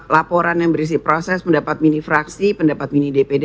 laporan yang berisi proses mendapat mini fraksi pendapat mini dpd